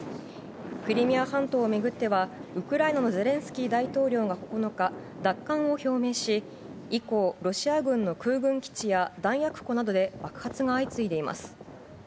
クリミア半島を巡っては、ウクライナのゼレンスキー大統領が９日、奪還を表明し、以降、ロシア軍の空軍基地や弾薬庫などで爆発が相次いでいます。